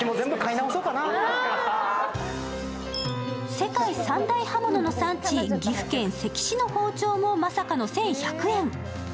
世界三大刃物の産地、岐阜県関市の包丁もまさかの１１００円。